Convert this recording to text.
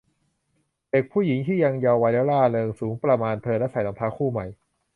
เด็กผู้หญิงที่ยังเยาว์วัยและร่าเริง สูงประมาณเธอ และใส่รองเท้าคู่ใหม่